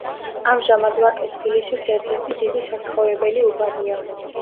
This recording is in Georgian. ამჟამად ვაკე თბილისის ერთ-ერთი დიდი საცხოვრებელი უბანია.